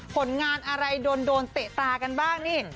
ผลงานอะไรโดนเตะตากันบ้างนี่